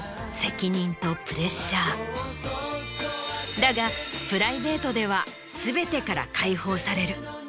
だがプライベートでは全てから解放される。